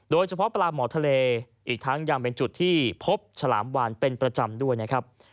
โดยเฉพาะปลาหมอทะเลอีกทั้งยังเป็นจุดที่พบฉลามวานเป็นประจำด้วยนะครับ